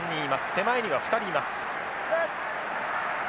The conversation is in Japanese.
手前には２人います。